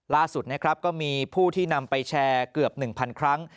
ล่าสุดนะครับก็มีผู้ที่นำไปแชร์เกือบ๑๐๐ครั้ง